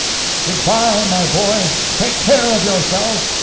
"GOOD BYE, my boy, take care of yourself!"